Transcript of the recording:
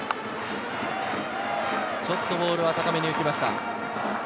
ちょっとボールが高めに浮きました。